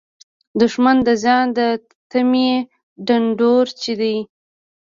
دښمن د زیان د تمې ډنډورچی دی